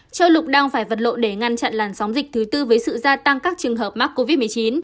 châu lục đang phải vật lộ để ngăn chặn làn sóng dịch thứ tư với sự gia tăng các trường hợp mắc covid một mươi chín